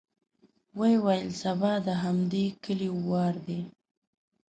ويې ويل: سبا د همدې کليو وار دی.